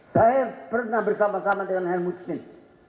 saya pernah bersama sama dengan helmut schmidt